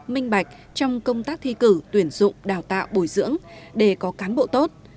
minh bạch trong công tác thi cử tuyển dụng đào tạo bồi dưỡng để có cán bộ tốt